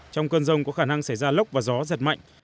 trong cơn rông có khả năng xảy ra lốc và gió giật mạnh